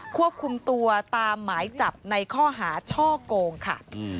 ควบคุมตัวตามหมายจับในข้อหาช่อโกงค่ะ